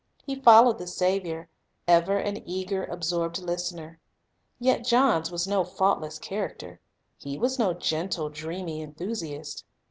He followed the Saviour, ever an eager, absorbed listener. Yet John's was no faultless char acter. He was no gentle, dreamy enthusiast.